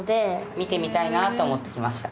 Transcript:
見てみたいなと思って来ました。